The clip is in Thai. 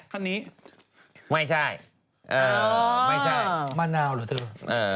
คนนี้เถอยัง